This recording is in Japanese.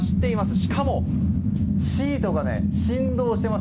しかもシートが振動してます。